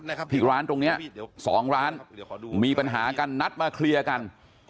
อีกร้านตรงเนี้ยสองร้านมีปัญหากันนัดมาเคลียร์กัน